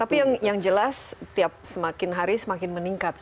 tapi yang jelas tiap semakin hari semakin meningkat